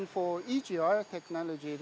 dan untuk teknologi egr